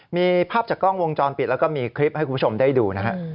มีภาพจากกล้องวงจรปิดแล้วก็มีคลิปให้คุณผู้ชมได้ดูนะฮะ